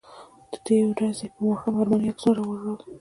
د دې ورځې په ماښام ارماني عکسونه راوړل.